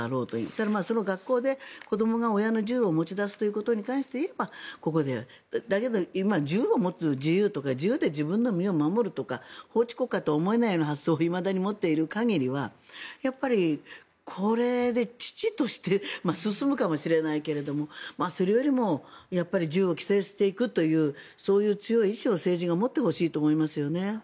ただ、学校で子どもが親の銃を持ち出すということに関して言えばだけど今、銃を持つ自由というか銃で自分の身を守るとか法治国家とは思えないような発想を持っている限りは遅々として進むかもしれないけれどもそれよりも銃を規制していくというそういう強い意思を政治が持ってほしいと思いますよね。